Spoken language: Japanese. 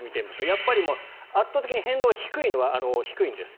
やっぱり圧倒的に変動が低いのは低いんです。